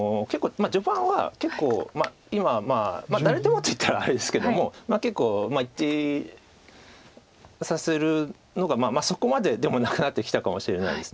序盤は結構今誰でもといったらあれですけども結構一致させるのがまあそこまででもなくなってきたかもしれないです。